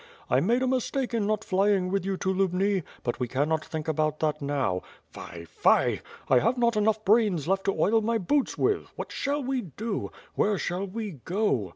I made a mistake in not flying with you to Lubni, but we can not think about that now. Fie! fie! I have not enough brains kft to oil my boots with. What shall we do? Where shall we go?